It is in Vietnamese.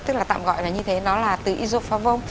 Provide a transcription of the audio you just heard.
tức là tạm gọi là như thế nó là từ isofavong